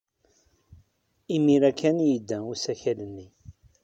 Imir-a kan ay yedda usakal-nni.